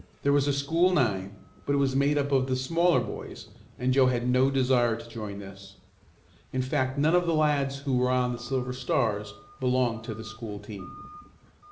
There was a school nine, but it was made up of the smaller boys and Joe had no desire to join this. In fact none of the lads who were on the Silver Stars belonged to the school team.